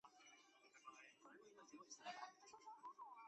在府中市分梅町的新田川分梅公园有分倍河原古战场碑。